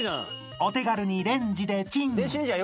［お手軽にレンジでチン］